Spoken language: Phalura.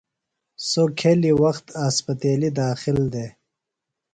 سوۡ کھیۡلیۡ وخت اسپتیلیۡ داخل دےۡ۔